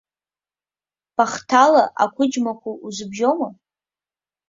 Бахҭала ақәыџьмақәа узыбжьома.